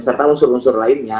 serta unsur unsur lainnya